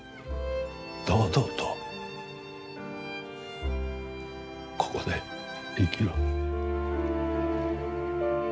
堂々と、ここで生きろ。